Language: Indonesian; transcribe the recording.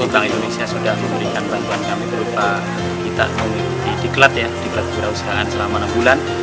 bank indonesia sudah memberikan bantuan kami berupa kita di diklat ya di kewirausahaan selama enam bulan